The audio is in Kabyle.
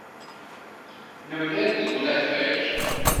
Nemlal deg unafag.